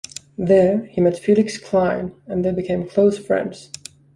There, he met Felix Klein and they became close friends.